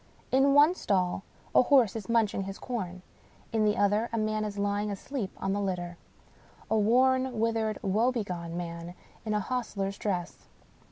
In one stall a horse is munching his corn. In the other a man is lying asleep on the litter. A worn, withered, woebegone man in a hostler's dress.